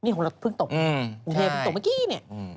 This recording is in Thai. ของเราเคยเฉียบมันกิน